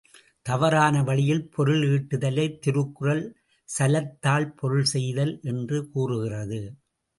தவறான வழியில் பொருளீட்டுதலைத் திருக்குறள், சலத்தால் பொருள் செய்தல் என்று கூறுகிறது.